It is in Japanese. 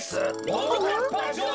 ももかっぱじょ